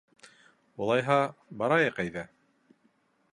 — Улайһа, барайыҡ әйҙә.